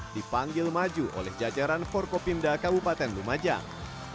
dipanggil maju oleh jajaran forkopimda kabupaten lumajang